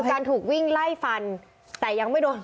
การถูกวิ่งไล่ฟันแต่ยังไม่โดน